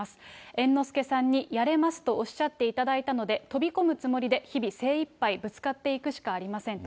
猿之助さんにやれますとおっしゃっていただいたので、飛び込むつもりで日々、精いっぱいぶつかっていくしかありませんと。